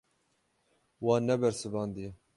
Wan nebersivandiye.